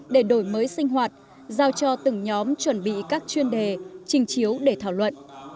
để đổi mới sinh hoạt giao cho từng nhóm chuẩn bị các chuyên đề trình chiếu để thảo luận